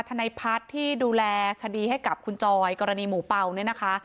ทนายพัฒน์ที่ดูแลคดีให้กับคุณจอยกรณีหมูเป่าเนี่ยนะคะ